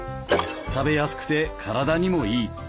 食べやすくて体にもいい。